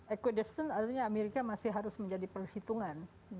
equiddistance artinya amerika masih harus menjadi perhitungan